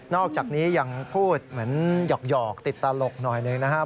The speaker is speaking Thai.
อกจากนี้ยังพูดเหมือนหยอกติดตลกหน่อยหนึ่งนะครับ